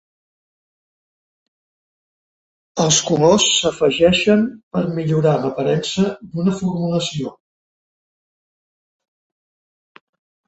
Els colors s'afegeixen per millorar l'aparença d'una formulació.